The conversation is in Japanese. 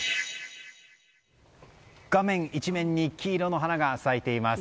画面一面に黄色の花が咲いています。